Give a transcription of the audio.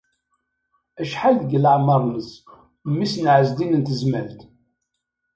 Acḥal deg leɛmeṛ-nnes memmi-s n Ɛezdin n Tezmalt?